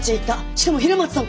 しかも平松さんと！